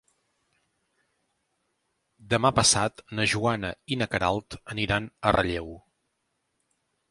Demà passat na Joana i na Queralt aniran a Relleu.